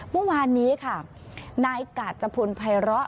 เมื่อวานนี้ค่ะนายกาจพลภัยร้อ